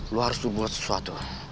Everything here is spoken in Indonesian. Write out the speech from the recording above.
lo harus tuh buat sesuatu